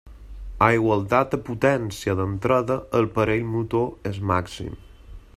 A igualtat de potència d'entrada, el parell motor és màxim.